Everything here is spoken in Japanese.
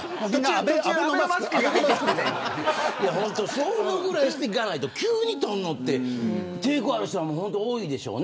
そのぐらいしていかないと急に取るのって抵抗ある人は多いでしょうね